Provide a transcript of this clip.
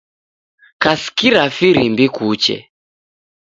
Kasikira firimbi kuche.